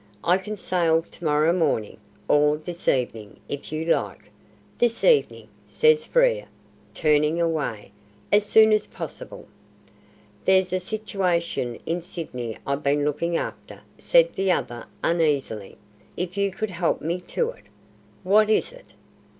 I can sail to morrow morning or this evening, if you like." "This evening," says Frere, turning away; "as soon as possible." "There's a situation in Sydney I've been looking after," said the other, uneasily, "if you could help me to it." "What is it?"